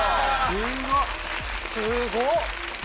すごっ！